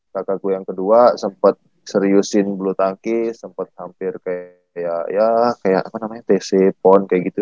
kakak gua yang kedua sempet seriusin bulu tangkis sempet hampir kayak ya kayak apa namanya tcpon kayak gitu